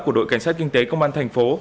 của đội cảnh sát kinh tế công an thành phố